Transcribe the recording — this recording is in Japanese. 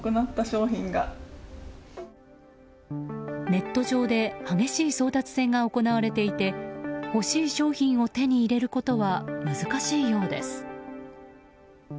ネット上で激しい争奪戦が行われていて欲しい商品を手に入れることは難しいようです。